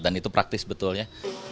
dan itu praktis betulnya